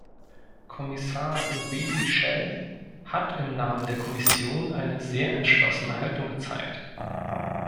Kommissar Louis Michel hat im Namen der Kommission eine sehr entschlossene Haltung gezeigt.